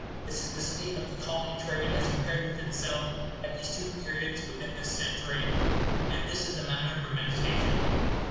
This is the state of the Colony trade as compared with itself at these two periods within this century;—and this is matter for meditation.